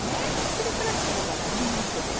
それからしょうがとにんにくです。